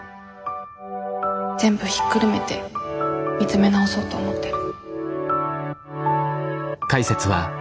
全部ひっくるめて見つめ直そうと思ってる。